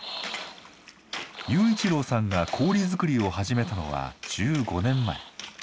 雄一郎さんが氷作りを始めたのは１５年前。